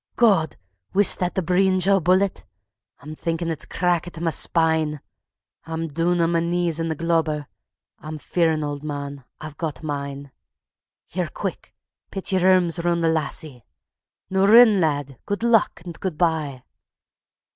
God! Wis that the breenge o' a bullet? I'm thinkin' it's cracket ma spine. I'm doon on ma knees in the glabber; I'm fearin', auld man, I've got mine. Here, quick! Pit yer erms roon the lassie. Noo, rin, lad! good luck and good by. .